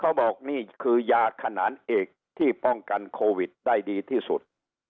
เขาบอกนี่คือยาขนานเอกที่ป้องกันโควิดได้ดีที่สุด